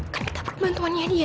kan kita perlu bantuannya dia